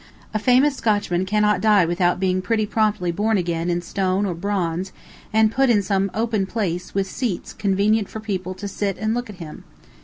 A famous Scotchman cannot die without being pretty promptly born again in stone or bronze, and put in some open place with seats convenient for people to sit and look at him.